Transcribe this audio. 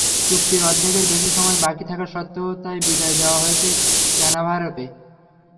চুক্তির অর্ধেকের বেশি সময় বাকি থাকা সত্ত্বেও তাই বিদায় দেওয়া হয়েছে ক্যানাভারোকে।